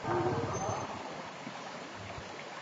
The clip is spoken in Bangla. সাবধানে থাকিস, সোনা।